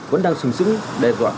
vẫn đang sửng sững đe dọa